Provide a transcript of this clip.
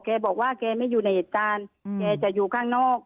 แกบอกว่าแกไม่อยู่ในเหตุการณ์แกจะอยู่ข้างนอก